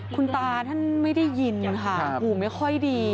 คุณตาท่านไม่ได้ยินค่ะหูไม่ค่อยดี